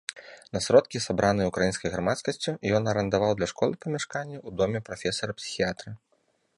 На сродкі, сабраныя ўкраінскай грамадскасцю, ён арандаваў для школы памяшканне ў доме прафесара-псіхіятра.